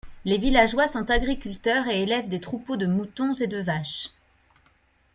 Les villageois sont agriculteurs et élèvent des troupeaux de moutons et de vaches.